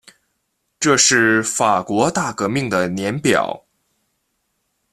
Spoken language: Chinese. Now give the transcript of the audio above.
这是法国大革命的年表